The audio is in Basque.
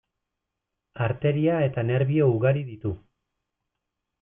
Arteria eta nerbio ugari ditu.